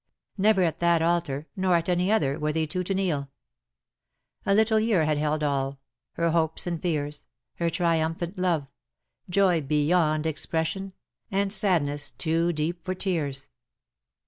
Never at that altar, nor at any other, were they two to kneel. A little year had held all — her hopes and fears — her triumphant love — ^joy beyond expression — and sadness too deep for tears.